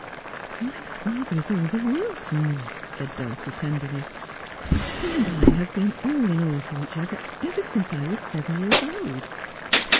' My father is all the world to me,' said Dulcie tenderly. ' He and I have been all in all to each other ever since I was seven years old.'